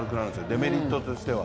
デメリットとしては。